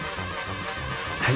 はい。